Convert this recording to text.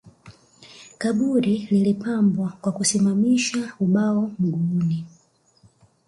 Kaburi lilipambwa kwa kusimamisha ubao mguuni